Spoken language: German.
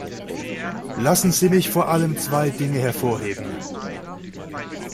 Lassen Sie mich vor allem zwei Dinge hervorheben.